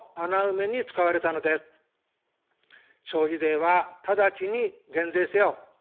消費税はただちに減税せよ。